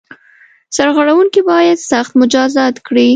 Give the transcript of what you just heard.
سرغړوونکي باید سخت مجازات کړي.